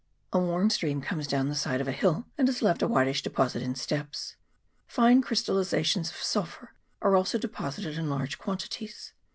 A warm stream comes down the side of a hill, and has left a whitish deposit in steps ; fine crystalliza tions of sulphur are also deposited in large quantities.